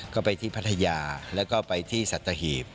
ก็ไปที่พัทยาแล้วก็ไปที่สัตหีบ